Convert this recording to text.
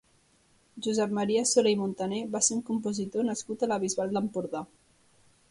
Josep Maria Soler i Montaner va ser un compositor nascut a la Bisbal d'Empordà.